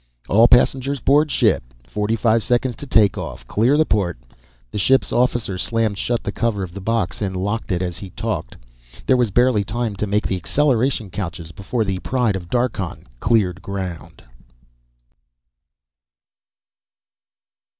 "All passengers board ship. Forty five seconds to take off. Clear the port." The ship's officer slammed shut the cover of the box and locked it as he talked. There was barely time to make the acceleration couches before the Pride of Darkhan cleared ground.